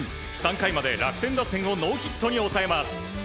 ３回まで楽天打線をノーヒットに抑えます。